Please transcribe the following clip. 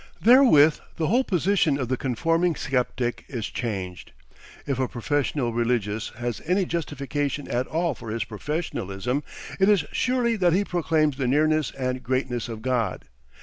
Therewith the whole position of the conforming sceptic is changed. If a professional religious has any justification at all for his professionalism it is surely that he proclaims the nearness and greatness of God.